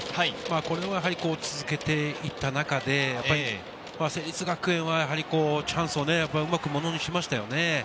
これを続けていった中で、成立学園はチャンスをうまくものにしましたよね。